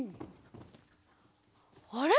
あれ？